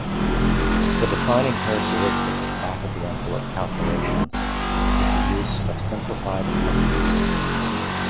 The defining characteristic of back-of-the-envelope calculations is the use of simplified assumptions.